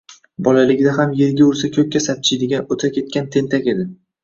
Bolaligida ham erga ursa ko`kka sapchiydigan, o`taketgan tentak edi